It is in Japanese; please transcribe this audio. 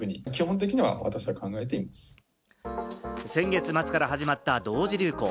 先月末から始まった同時流行。